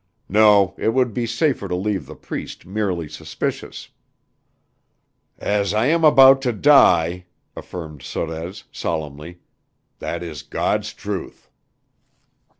No, it would be safer to leave the Priest merely suspicious. "As I am about to die," affirmed Sorez, solemnly, "that is God's truth."